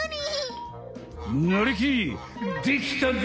なりきりできたで！